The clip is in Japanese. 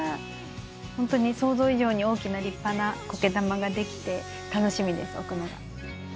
ホントに想像以上に大きな立派なこけ玉ができて楽しみです置くのが。